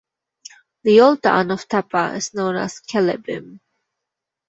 The old town of Tepa is known as Kelebim.